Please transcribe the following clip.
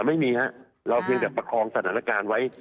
ไม่มีครับเราเพียงแต่ประคองสถานการณ์ไว้